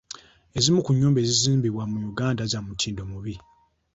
Ezimu ku nnyumba ezizimbibwa mu Uganda za mutindo mubi.